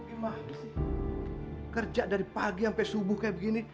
ima kerja dari pagi sampai subuh kayak begini